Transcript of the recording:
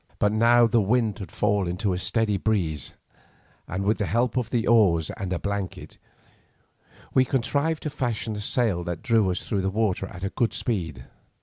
But now the wind had fallen to a steady breeze, and with the help of the oars and a blanket, we contrived to fashion a sail that drew us through the water at a good speed.